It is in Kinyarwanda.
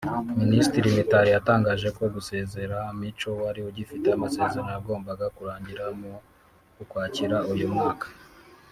Minisitiri Mitali yatangaje ko gusezerera Micho wari ugifite amasezerano yagombaga kurangira mu Ukwakira uyu mwaka